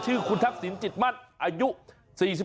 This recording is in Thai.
ชื่อฮุทักษิณสิทธิมัทอายุ๔๘ปี